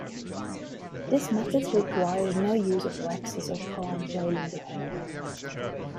This method requires no use of waxes or palm rolling the hair.